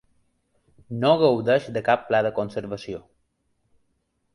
No gaudeix de cap pla de conservació.